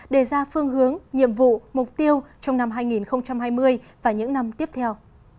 để ra phương hướng nhiệm vụ mục tiêu trong năm hai nghìn hai mươi và những năm tiếp theo